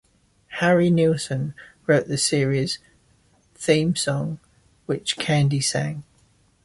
Harry Nilsson wrote the series' theme song, which Candy sang.